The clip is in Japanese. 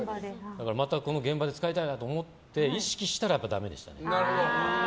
またこの現場で使いたいなと思って意識したらダメでした。